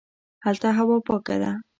هلته هوا پاکه ده